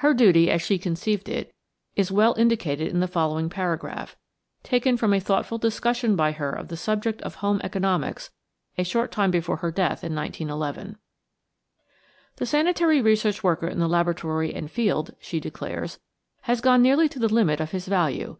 Her duty, as she conceived it, is well indicated in the following paragraph, taken from a thoughtful discussion by her of the subject of home economics a short time before her death in 1911. "The sanitary research worker in laboratory and field," she declares, "has gone nearly to the limit of his value.